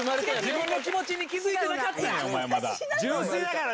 自分の気持ちに気付いてなかったんやおまえ。